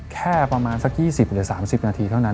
แค่ประมาณสัก๒๐หรือ๓๐นาทีเท่านั้น